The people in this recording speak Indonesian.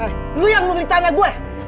eh lo yang mau ditanya gue